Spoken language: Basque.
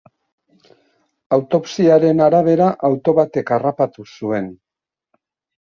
Autopsiaren arabera, auto batek harrapatu zuen.